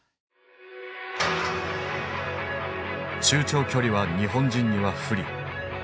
中長距離は日本人には不利。